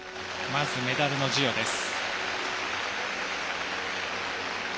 まずメダルの授与です。